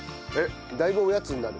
だいぶおやつになる。